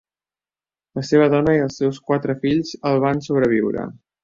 La seva dona i els seus quatre fills el van sobreviure.